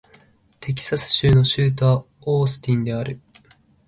テキサス州の州都はオースティンである